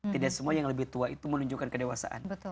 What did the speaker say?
tidak semua yang lebih tua itu menunjukkan kedewasaan